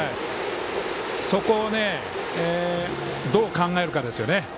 そこをどう考えるかですね。